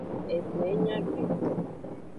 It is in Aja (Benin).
Edo yi nyi agbeto.